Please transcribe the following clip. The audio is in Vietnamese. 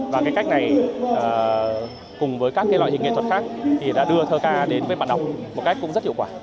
và cái cách này cùng với các loại hình nghệ thuật khác thì đã đưa thơ ca đến với bạn đọc một cách cũng rất hiệu quả